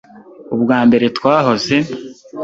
Ubwa mbere twahoze